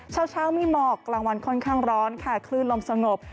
เช้ามีหมอกกลางวันค่อนข้างร้อนค่ะคลื่นลมสงบ